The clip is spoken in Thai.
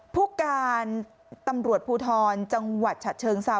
ผู้การตำรวจภูทรจังหวัดฉะเชิงเซา